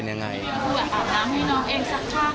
คุณพ่ออาบน้ำให้น้องเองสักท่าน